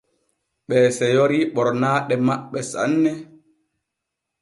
Ɓee seyori ɓornaaɗe maɓɓe sanne.